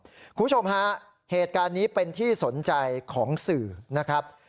คุณผู้ชมฮะเหตุการณ์นี้เป็นที่สนใจของสื่อนะครับ